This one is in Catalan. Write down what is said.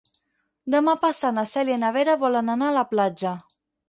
Demà passat na Cèlia i na Vera volen anar a la platja.